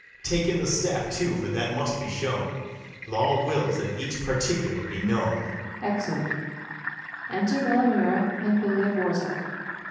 Take in the staff too, for that must be shown: Law wills that each particular be known.